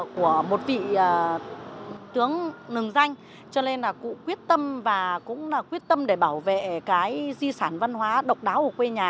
của một vị tướng nừng danh cho nên là cụ quyết tâm và cũng là quyết tâm để bảo vệ cái di sản văn hóa độc đáo của quê nhà